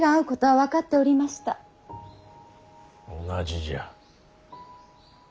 同じじゃ。